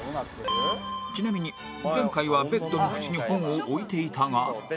ちなみに前回はベッドのふちに本を置いていたが